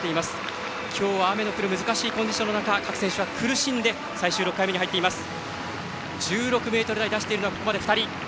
今日は雨の降る難しいコンディションの中各選手たちは苦しんで最終６回目に入っています。